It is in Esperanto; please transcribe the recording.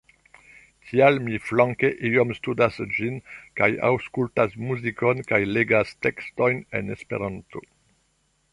Tial mi flanke iom studas ĝin kaj aŭskultas muzikon kaj legas tekstojn en Esperanto.